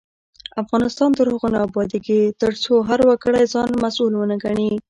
افغانستان تر هغو نه ابادیږي، ترڅو هر وګړی ځان مسؤل ونه ګڼي.